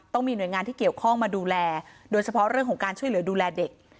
หน่วยงานที่เกี่ยวข้องมาดูแลโดยเฉพาะเรื่องของการช่วยเหลือดูแลเด็ก